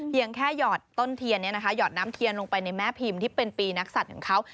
แค่หยอดต้นเทียนหยอดน้ำเทียนลงไปในแม่พิมพ์ที่เป็นปีนักศัตริย์ของเขา